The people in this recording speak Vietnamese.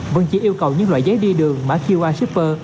vẫn chỉ yêu cầu những loại giấy đi đường mã qr shipper